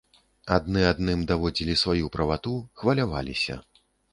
Адны адным даводзілі сваю правату, хваляваліся.